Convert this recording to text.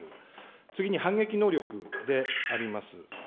次に反撃能力であります。